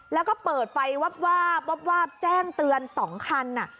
แล้วก็เปิดไฟวาบวาบแจ้งเตือน๒คัน